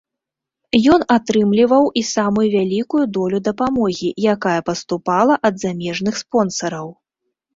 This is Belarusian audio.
Ён атрымліваў і самую вялікую долю дапамогі, якая паступала ад замежных спонсараў.